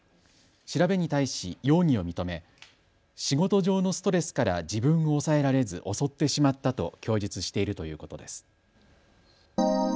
調べに対し容疑を認め、仕事上のストレスから自分を抑えられず襲ってしまったと供述しているということです。